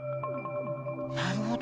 なるほど。